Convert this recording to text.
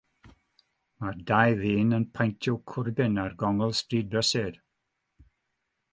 Mae dau ddyn yn paentio cwrbyn ar gongl stryd brysur.